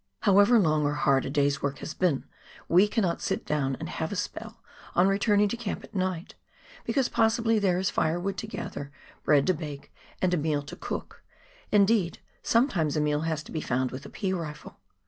However long or hard a day's work has been, we cannot sit down and have a spell on returning to camp at night, because possibly there is firewood to gather, bread to bake, and a meal to cook ; indeed, sometimes a meal has to be found with the pea rifle.